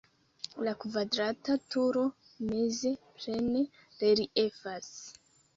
La kvadrata turo meze plene reliefas.